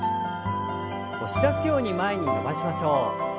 押し出すように前に伸ばしましょう。